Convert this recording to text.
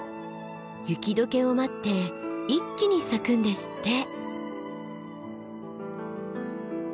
雪解けを待って一気に咲くんですって。